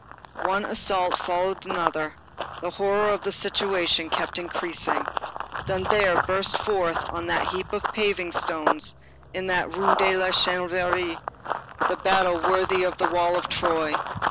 One assault followed another. The horror of the situation kept increasing. Then there burst forth on that heap of paving stones, in that Rue de la Chanvrerie, a battle worthy of a wall of Troy.